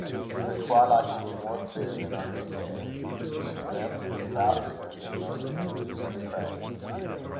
Her twilights were more clear than our mid day; She dreamt devoutlier than most used to pray.